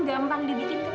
gampang dibikin ketawa